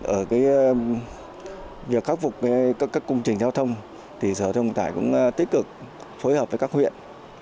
ở việc khắc phục các công trình giao thông thì sở thông tải cũng tích cực phối hợp với các huyện